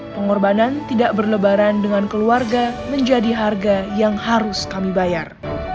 pengorbanan tidak berlebaran dengan keluarga menjadi harga yang harus kami bayar